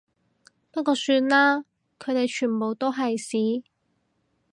不過算啦，佢哋全部都係屎